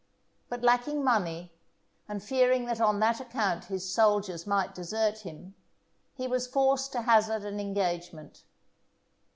But lacking money, and fearing that on that account his soldiers might desert him, he was forced to hazard an engagement.